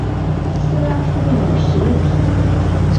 斯拉夫语使用体。